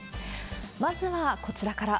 まずはこちらから。